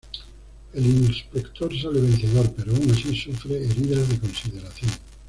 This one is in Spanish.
El inspector sale vencedor pero aun así sufre heridas de consideración.